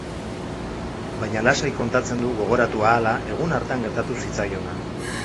Baina lasai kontatzen du, gogoratu ahala, egun hartan gertatu zitzaiona.